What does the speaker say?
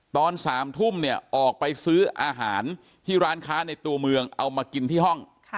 ตอน๓ทุ่มเนี่ยออกไปซื้ออาหารที่ร้านค้าในตัวเมืองเอามากินที่ห้อง